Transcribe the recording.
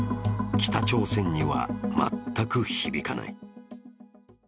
北朝鮮には全く響かない。